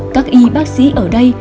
các y bác sĩ ở đây